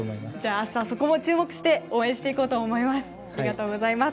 明日、そこも注目して応援していこうと思います。